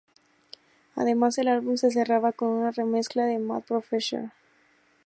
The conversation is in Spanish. Además, el álbum se cerraba con una remezcla de Mad Professor.